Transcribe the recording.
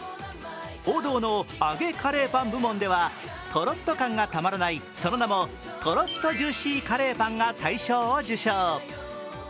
王道の揚げカレーパン部門では、とろっと感がたまらない、その名もとろっとジューシーカレーパンが大賞を受賞。